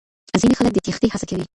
ځينې خلک د تېښتې هڅه کوي.